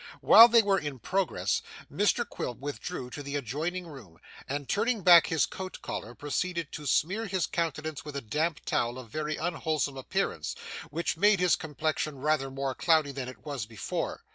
While they were in progress, Mr Quilp withdrew to the adjoining room, and, turning back his coat collar, proceeded to smear his countenance with a damp towel of very unwholesome appearance, which made his complexion rather more cloudy than it was before.